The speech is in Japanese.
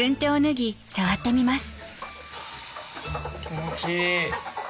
はぁ気持ちいい。